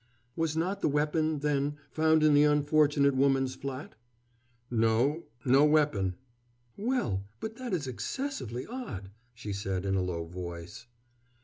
"Was not the weapon, then, found in the unfortunate woman's flat?" "No no weapon." "Well, but that is excessively odd," she said in a low voice.